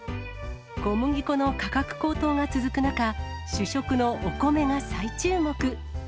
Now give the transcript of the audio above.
小麦粉の価格高騰が続く中、主食のお米が再注目。